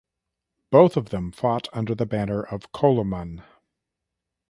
Both of them fought under the banner of Coloman.